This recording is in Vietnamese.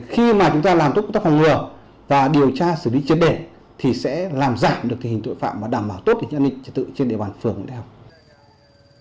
khi mà chúng ta làm tốt công tác phòng ngừa và điều tra xử lý chiến đề thì sẽ làm giảm được hình tội phạm và đảm bảo tốt hình an ninh trật tự trên địa bàn phường nguyễn thái học